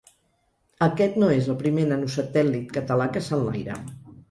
Aquest no és el primer nanosatèl·lit català que s’enlaira.